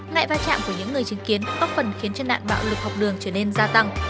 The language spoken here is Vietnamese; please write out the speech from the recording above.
ngại va chạm của những người chứng kiến góp phần khiến cho nạn bạo lực học đường trở nên gia tăng